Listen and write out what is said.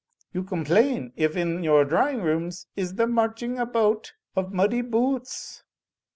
You complain if in your drawing rooms is the marching about of muddy boo oots.